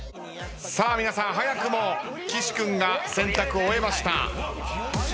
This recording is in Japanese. さあ皆さん早くも岸君が選択を終えました。